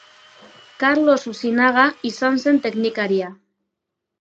Karlos Osinaga izan zen teknikaria.